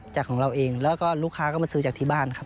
จากของเราเองแล้วก็ลูกค้าก็มาซื้อจากที่บ้านครับ